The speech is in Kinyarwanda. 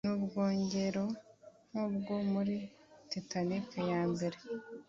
n’ubwogero nk’ubwo muri Titanic ya mbere